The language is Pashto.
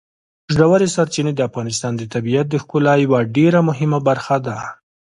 ژورې سرچینې د افغانستان د طبیعت د ښکلا یوه ډېره مهمه برخه ده.